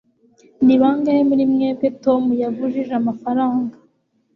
ni bangahe muri mwebwe tom yagujije amafaranga